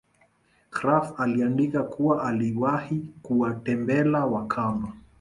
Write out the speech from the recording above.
Krapf aliandika kuwa aliwahi kuwatembela wakamba